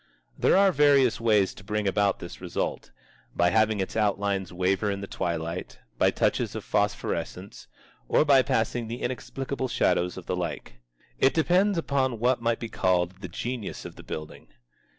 There are various ways to bring about this result: by having its outlines waver in the twilight, by touches of phosphorescence, or by the passing of inexplicable shadows or the like. It depends upon what might be called the genius of the building.